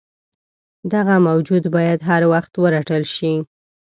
دغه موجود باید هروخت ورټل شي.